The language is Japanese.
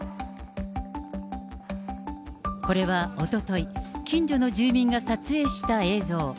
これはおととい、近所の住民が撮影した映像。